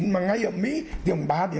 mà ngay ở mỹ thì ba bốn trăm linh